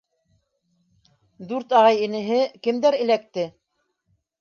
- Дүрт ағай-энеһе, кемдәр эләкте?